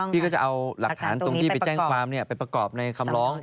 พี่ก็จะเอาหลักฐานตรงที่ไปแจ้งความไปประกอบในคำร้อง